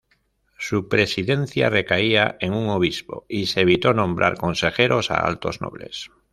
Su presidencia recaía en un obispo, y se evitó nombrar consejeros a altos nobles.